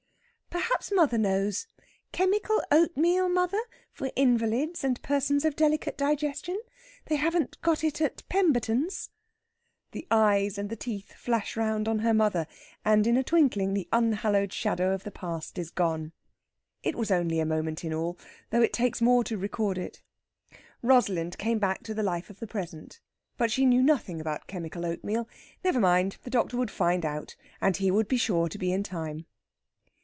"Perhaps mother knows. Chemical oatmeal, mother, for invalids and persons of delicate digestion? They haven't got it at Pemberton's." The eyes and the teeth flash round on her mother, and in a twinkling the unhallowed shadow of the past is gone. It was only a moment in all, though it takes more to record it. Rosalind came back to the life of the present, but she knew nothing about chemical oatmeal. Never mind. The doctor would find out. And he would be sure to be in time.